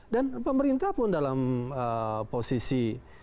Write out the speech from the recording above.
dan pemerintah pun dalam posisi